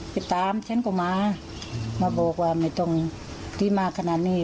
ไปตามเช่นหน้าโบกว่าไม่ต้องที่มาขนาดนี้